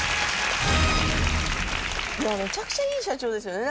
めちゃくちゃいい社長ですよね。